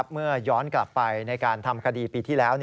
เมื่อย้อนกลับไปในการทำคดีปีที่แล้ว